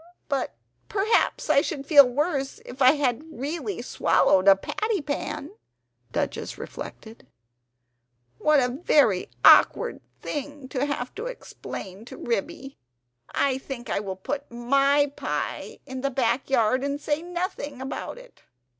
... But perhaps I should feel worse if I had really swallowed a patty pan!" Duchess reflected "What a very awkward thing to have to explain to Ribby! I think I will put MY pie in the back yard and say nothing about it.